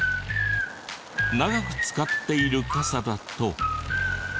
長く使っている傘だと。